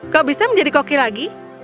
kok bisa menjadi koki lagi